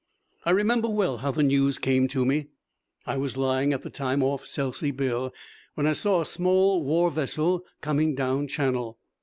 I remember well how the news came to me. I was lying at the time off Selsey Bill when I saw a small war vessel coming down Channel.